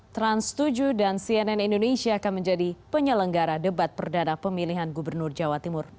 trans tujuh dan cnn indonesia akan menjadi penyelenggara debat perdana pemilihan gubernur jawa timur